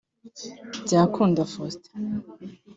Byakunda Faustin